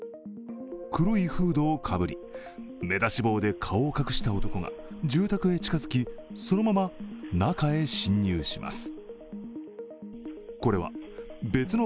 黒いフードをかぶり目出し帽で顔を隠した男が住宅へ近づき、そのまま中へ侵入します。